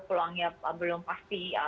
peluangnya belum pasti